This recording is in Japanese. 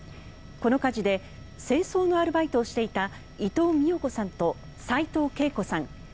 この火事で清掃のアルバイトをしていた伊藤美代子さんと齋藤慶子さん